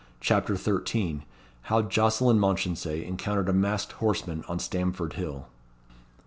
CHAPTER XIII. How Jocelyn Mounchensey encountered a masked horseman on Stamford Hill.